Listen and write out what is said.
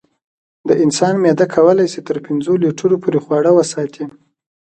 د انسان معده کولی شي تر پنځو لیټرو پورې خواړه وساتي.